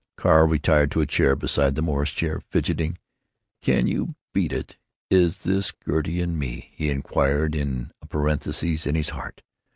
Carl retired to a chair beside the Morris chair, fidgeting. "Can you beat it! Is this Gertie and me?" he inquired in a parenthesis in his heart.